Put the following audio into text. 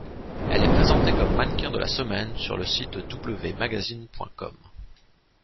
Elle est présentée comme mannequin de la semaine sur le site Wmagazine.com.